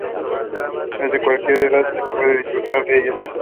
Desde cualquier edad se puede disfrutar de ellas.